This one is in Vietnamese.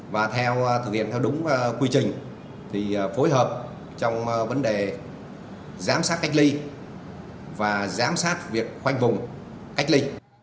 và thực hiện theo đúng quy trình thì phối hợp trong vấn đề giám sát cách ly và giám sát việc khoanh vùng cách ly